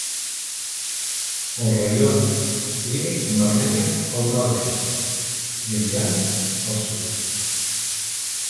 El raion limita amb Armènia al nord-est i amb Iran al sud.